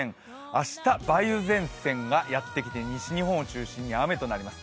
明日、梅雨前線がやってきて西日本を中心に雨となります。